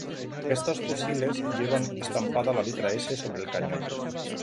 Estos fusiles llevan estampada la letra S sobre el cañón.